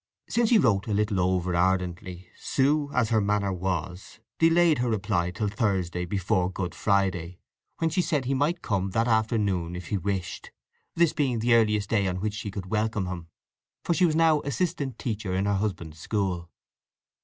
Since he wrote a little over ardently, Sue, as her manner was, delayed her reply till Thursday before Good Friday, when she said he might come that afternoon if he wished, this being the earliest day on which she could welcome him, for she was now assistant teacher in her husband's school.